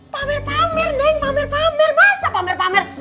pamer pamer neng pamer pamer masa pamer pamer